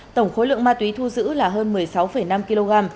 tổng khối lượng ma túy thu giữ là hơn một mươi sáu năm kg